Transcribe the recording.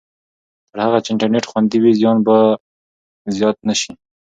تر هغه چې انټرنېټ خوندي وي، زیان به زیات نه شي.